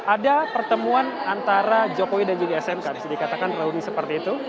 ada pertemuan antara jokowi dan juga smk bisa dikatakan reuni seperti itu